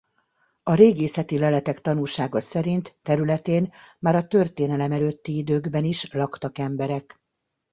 A régészeti leletek tanúsága szerint területén már a történelem előtti időkben is laktak emberek.